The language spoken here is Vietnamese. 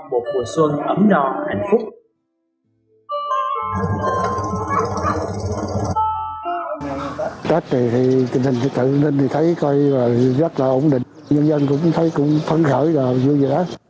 một mùa xuân ấm đo hạnh phúc